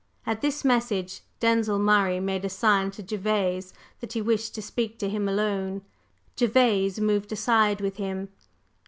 At this message, Denzil Murray made a sign to Gervase that he wished to speak to him alone. Gervase moved aside with him.